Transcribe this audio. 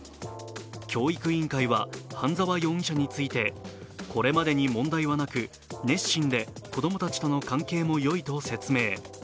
教育委員会は半沢容疑者についてこれまでに問題はなく熱心で子供たちとの関係もいいと説明。